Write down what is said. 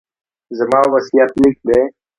دا زما وصیت لیک دی.